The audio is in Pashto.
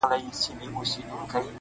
د فرهادي فکر څښتن تاته په تا وايي!!